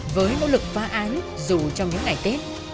với nỗ lực phá án dù trong những ngày tết